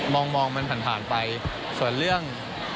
มองมันผ่านผ่านไปส่วนเรื่อง